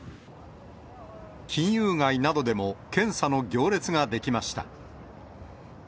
金融街などでも検査の行列が出来ました。